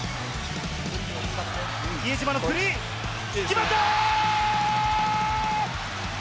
比江島のスリー、決まった！